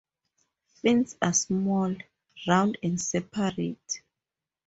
Fins are small, round and separate.